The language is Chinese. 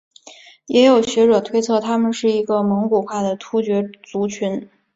也有学者推测他们是一个蒙古化的突厥族群。